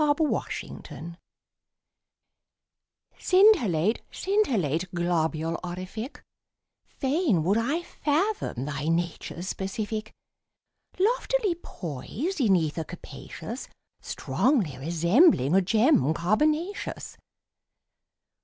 _ THE LITTLE STAR Scintillate, scintillate, globule orific, Fain would I fathom thy nature's specific. Loftily poised in ether capacious, Strongly resembling a gem carbonaceous.